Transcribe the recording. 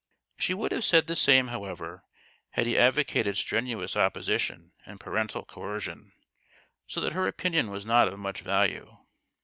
She would have said the same, however, had he advocated strenuous opposition and parental coercion ; so that her opinion was not of much value.